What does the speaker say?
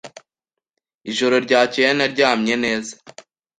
Ijoro ryakeye naryamye neza.